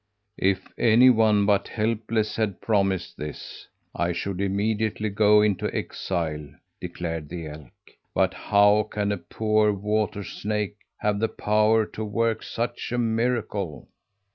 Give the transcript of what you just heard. "If any one but Helpless had promised this, I should immediately go into exile," declared the elk. "But how can a poor water snake have the power to work such a miracle?"